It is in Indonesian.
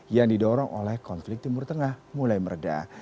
yang didorong oleh konflik timur tengah mulai meredah